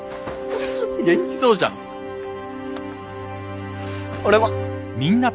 元気そうじゃん。俺も！